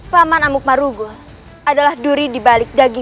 paman amuk marugul adalah satu orang yang berpengalaman di dalam kejahatan kita